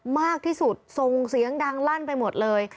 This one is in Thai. มากที่สุดส่งเสียงดังลั่นไปหมดเลย